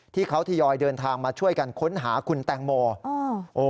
ที่เขาทยอยเดินทางมาช่วยกันค้นหาคุณแตงโม